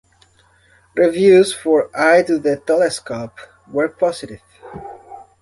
Reviews for "Eye to the Telescope" were positive.